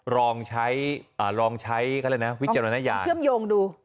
รองใช้วิจารณญาณมีเชื่อมโยงดู